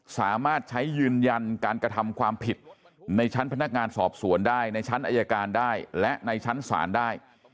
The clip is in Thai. สามารถใช้ยืนยันการกระทำความผิดในชั้นพนักงานสอบสวนได้ในชั้นอายการได้และในชั้นศาลได้